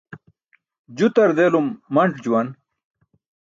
Jutar delum manc̣ juwan.